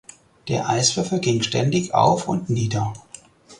Der Eiswürfel ging ständig auf und nieder.